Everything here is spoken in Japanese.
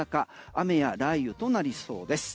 雨や雷雨となりそうです。